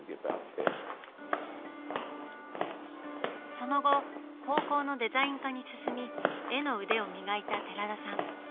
その後高校のデザイン科に進み絵の腕を磨いた寺田さん。